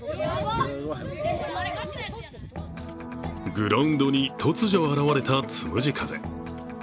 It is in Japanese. グラウンドに突如現れたつむじ風。